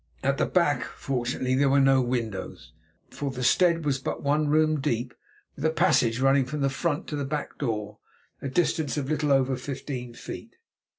At the back, fortunately, there were no windows, for the stead was but one room deep with a passage running from the front to the back door, a distance of little over fifteen feet.